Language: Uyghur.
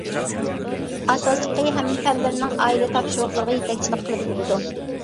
ئاساسلىقى ھەممە پەنلىرىنىڭ ئائىلە تاپشۇرۇقلىرىغا يېتەكچىلىك قىلىپ بېرىدۇ.